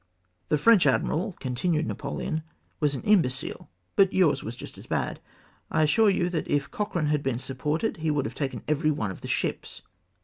^"' The French admiral," continued Napoleon, ' was an imbecile, but yours was just as bad. I assure you, that if Cochrane had been supported, he would have taken every one of the ships.